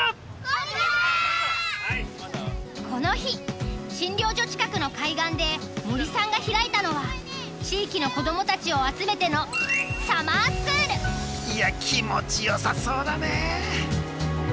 この日診療所近くの海岸で森さんが開いたのは地域の子どもたちを集めてのいや気持ちよさそうだね。